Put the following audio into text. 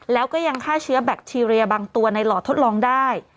แล้วก็ยังฆ่าเชื้อแบคทีเรียบางตัวในหลอดทดลองได้